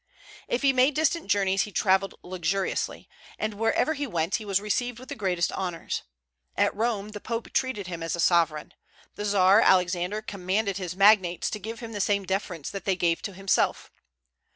If he made distant journeys he travelled luxuriously, and wherever he went he was received with the greatest honors. At Rome the Pope treated him as a sovereign. The Czar Alexander commanded his magnates to give to him the same deference that they gave to himself.